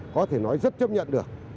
có thể nói rất chấp nhận được